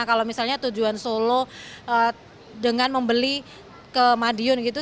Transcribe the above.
kalau misalnya tujuan solo dengan membeli ke madiun gitu